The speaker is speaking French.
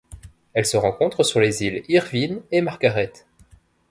Elle se rencontre sur les îles Irvine et Margaret.